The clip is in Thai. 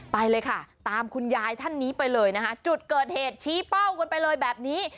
ไปเลยค่ะตามคุณยายท่านนี้ไปเลยนะคะจุดเกิดเหตุชี้เป้ากันไปเลยแบบนี้